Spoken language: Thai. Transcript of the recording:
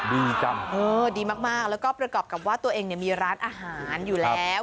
ดีจังเออดีมากแล้วก็ประกอบกับว่าตัวเองเนี่ยมีร้านอาหารอยู่แล้ว